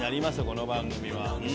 この番組は。